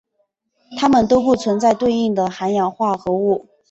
它们都不存在对应的含氧化合物。